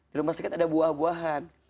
di rumah sakit ada buah buahan